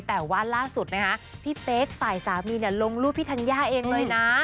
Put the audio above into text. แต่ว่าล่าสุดนะคะพี่เป๊กฝ่ายสามีลงรูปพี่ธัญญาเองเลยนะ